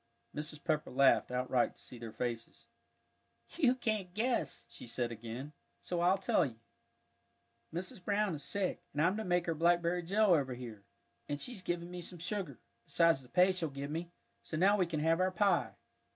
Mrs. Pepper laughed outright to see their faces. "You can't guess," she said again, "so I'll tell you. Mrs. Brown is sick, and I'm to make her blackberry jell over here; and she's given me some sugar, besides the pay she'll give me, so now we can have our pie."